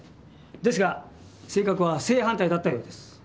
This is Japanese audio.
ですが性格は正反対だったようです。